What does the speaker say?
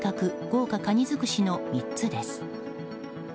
豪華かにづくしの３つです。